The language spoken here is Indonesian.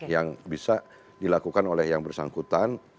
yang bisa dilakukan oleh yang bersangkutan